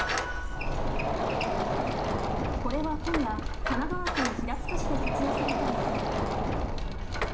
これは今夜、神奈川県平塚市で撮影された映像。